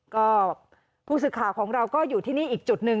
ก็ผู้สื่อข่าวของเราก็อยู่ที่นี่อีกจุดหนึ่ง